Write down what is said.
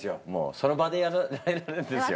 その場でやるんですよ。